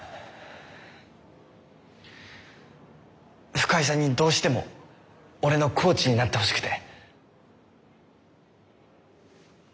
深井さんにどうしても俺のコーチになってほしくて。